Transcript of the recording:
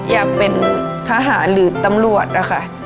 อยากเป็นทหารหรือตำรวจนะคะ